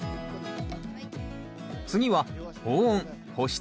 次は保温保湿